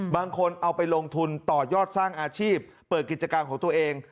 บางคนเอาไปลงทุนต่อยอดสร้างอาชีพเปิดกิจการของตัวเอง